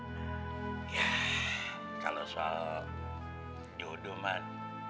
ya kalau soal jodoh mak